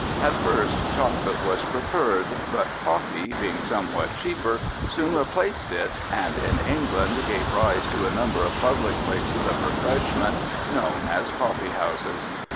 At first chocolate was preferred, but coffee, being somewhat cheaper, soon replaced it and in England gave rise to a number of public places of refreshment known as coffee houses.